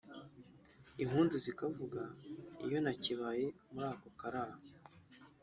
Impundu zikavuga iyo ntakibaye muri ako kararo